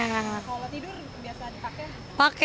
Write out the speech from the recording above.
kalau tidur biasa dipakai